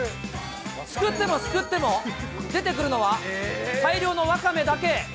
すくってもすくっても、出てくるのは大量のわかめだけ。